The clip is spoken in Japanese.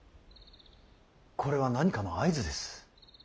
これは何かの合図です。